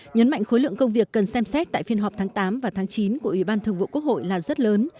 nhấn mạnh khối lượng công việc cần xem xét tại phiên họp tháng tám và tháng chín của ủy ban thường vụ quốc hội là rất lớn